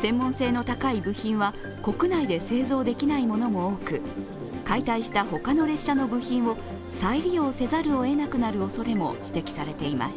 専門性の高い部品は国内で製造できないものも多く、解体した他の列車の部品を再利用せざるをえなくなるおそれも指摘されています。